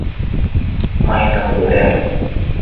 مَرِضَ الْغُلاَمُ.